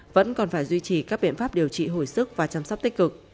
vẫn còn phải duy trì các biện pháp điều trị hồi sức và chăm sóc tích cực